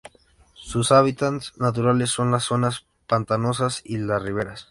Sus hábitats naturales son las zonas pantanosas y las riberas.